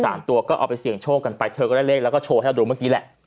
ตัวก็เอาไปเสี่ยงโชคกันไปเธอก็ได้เลขแล้วก็โชว์ให้เราดูเมื่อกี้แหละ